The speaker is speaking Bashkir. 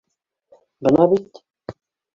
— Бына бит.